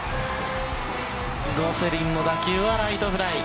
ゴセリンの打球はライトフライ。